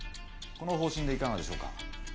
この方針でいかがでしょうか？